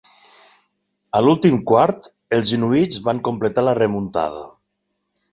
A l'últim quart, els inuits van completar la remuntada.